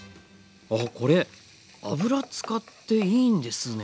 あこれ油使っていいんですね。